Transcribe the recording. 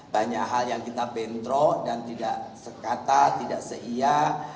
banyak hal yang kita bentrok dan tidak sekata tidak seiya